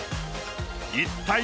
一体。